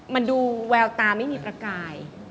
มันดูแววตาไม่มีประกาย